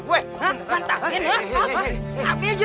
bukan takin hah